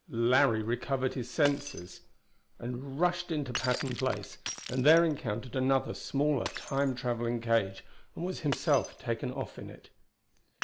Larry recovered his senses, rushed into Patton Place, and there encountered another, smaller, Time traveling cage, and was himself taken off in it.